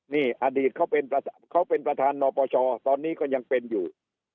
นี่อดีตเขาเป็นประธานนปชตอนนี้ก็ยังเป็นอยู่